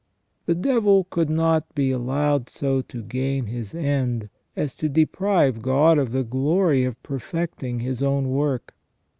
* The devil could not be allowed so to gain his end as to deprive God of the glory of perfecting His own work.